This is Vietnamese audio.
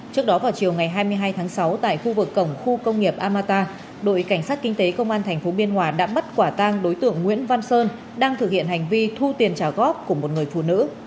trước đó vào chiều ngày hai mươi hai tháng sáu tại khu vực cổng khu công nghiệp amata đội cảnh sát kinh tế công an tp biên hòa đã bắt quả tang đối tượng nguyễn văn sơn đang thực hiện hành vi thu tiền trả góp của một người phụ nữ